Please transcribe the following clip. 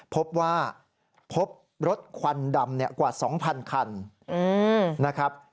พบว่าพบรถควันดำกว่า๒๐๐คันนะครับ